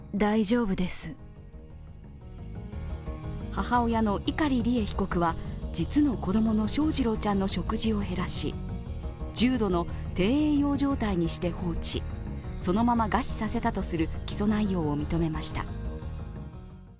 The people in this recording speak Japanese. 母親の碇利恵被告は実の子供の翔士郎ちゃんの食事を減らし重度の低栄養状態にして放置、そのまま餓死させたとする起訴内容を認めました。